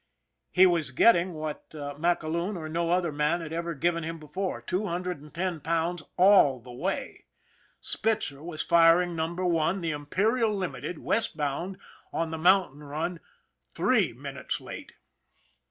He was getting what MacAloon or no other man had ever given him before two hundred and ten pounds all the way. SPITZER was firing Num SPITZER 89 her One, the Imperial Limited, westbound, on the mountain run, three minutes late